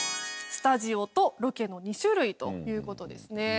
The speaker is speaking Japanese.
スタジオとロケの２種類という事ですね。